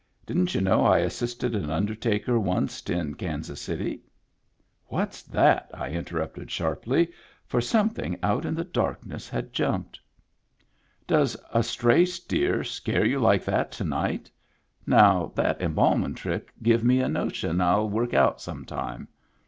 Didn't y'u know I assisted an undertaker wunst in Kansas City ?"" What's ' that ?" I interrupted sharply, for something out in the darkness had jumped. Digitized by Google TIMBERLINE 135 " Does a stray steer scare you like that to night? Now, that embalmin' trick give me a notion 111 work out some time.